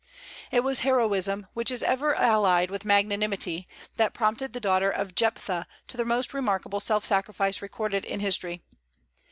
It was heroism, which is ever allied with magnanimity, that prompted the daughter of Jephtha to the most remarkable self sacrifice recorded in history.